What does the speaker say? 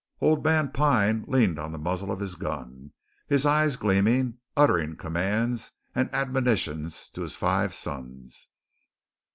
Old man Pine leaned on the muzzle of his gun, his eyes gleaming, uttering commands and admonitions to his five sons.